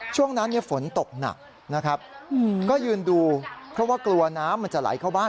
ช่วงนั้นฝนตกหนักนะครับก็ยืนดูเพราะว่ากลัวน้ำมันจะไหลเข้าบ้าน